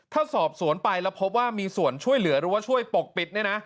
ถ้าสอบสวนไปแล้วพบว่ามีส่วนช่วยเหลือหรือว่าช่วยปกปิดเนี่ยนะ